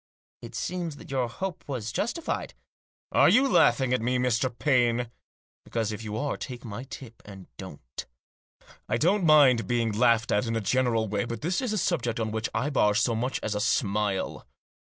" It seems that your hope was justified." " Are you laughing at me, Mr. Paine ? Because, if you are, take my tip and don't I don't mind being laughed at in a general way ; but this is a subject on which I bar so much as a smile.